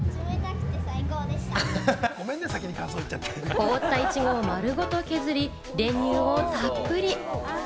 凍ったいちごを丸ごと削り、練乳をたっぷり！